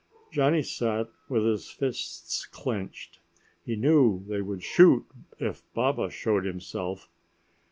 Johnny sat with his fists clenched. He knew they would shoot if Baba showed himself.